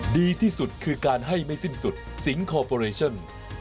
ดีที่สุดคือการให้ไม่สิ้นสุดสิงคอร์ปอเรชั่น